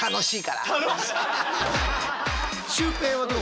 シュウペイはどう？